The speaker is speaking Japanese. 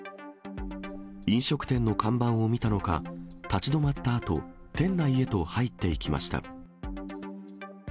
飲食店の看板を見たのか、立ち止まったあと、店内へと入っていきました。